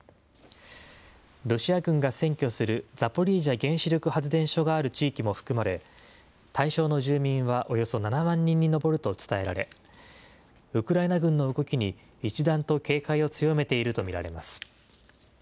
ロシア軍が占拠するザポリージャ原子力発電所がある地域も含まれ、対象の住民はおよそ７万人に上ると伝えられ、ウクライナ軍の動きに一段と警戒を強めていると見られます。